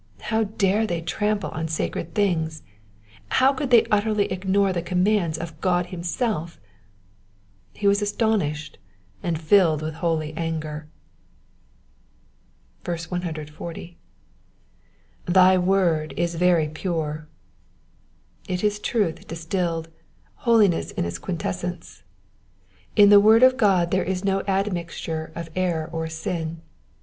How dare they trample on sacred things ! How could they utterly ignore the commandis of God himself ! He was astonished, and filled with holy anger. 140. *TAy word is very pure.'*' It is truth distilled, holiness in its quint essence, tn the word of God there is no admixture of error or sin.